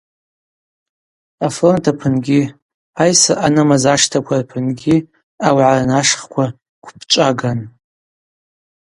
Афронт апынгьи, айсра ъанымыз аштаква рпынгьи ауагӏа рнашхква гвпчӏваган.